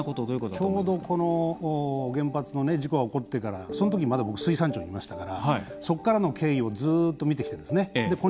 ちょうど原発の事故が起こってから、そのとき僕水産庁にいましたからそこからの経緯をずっと見てきたんです。